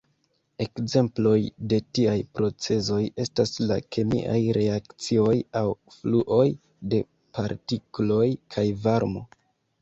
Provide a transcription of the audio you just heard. Ekzemploj de tiaj procezoj estas la kemiaj reakcioj aŭ fluoj de partikloj kaj varmo.